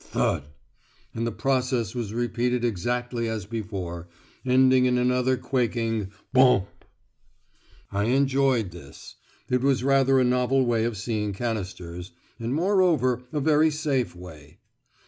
"Thud," and the process was repeated exactly as before, ending in another quaking "Bomp!" I enjoyed this. It was rather a novel way of seeing canisters, and moreover a very safe way.